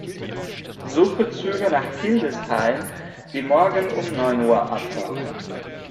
Suche Züge nach Hildesheim, die morgen um neun Uhr abfahren.